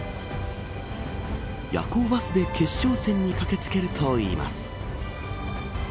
夜行バスで決勝戦に駆け付けるといいます。